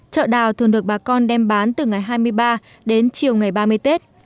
chợ đào thường được bà con đem bán từ ngày hai mươi ba đến chiều ngày ba mươi tết